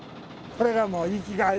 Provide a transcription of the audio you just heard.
これが生きがい。